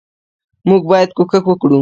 موږ باید کوښښ وکو